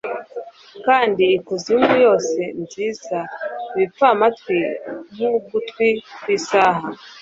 kandi ikuzimu yose nziza, ibipfamatwi nk'ugutwi kw'isaha,